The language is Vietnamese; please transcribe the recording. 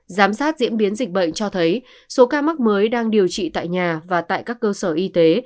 giám sát diễn biến dịch bệnh cho thấy số ca mắc mới đang điều trị tại nhà và tại các cơ sở y tế